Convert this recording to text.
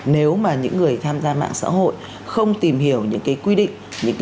nếu mà những người tham gia mạng xã hội không tìm hiểu những quy định